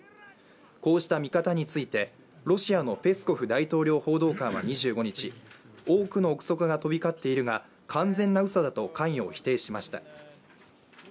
こうした見方について、ロシアのペスコフ大統領報道官は２５日、多くの臆測が飛び交っているが、完全なうそだと関与を否定しました。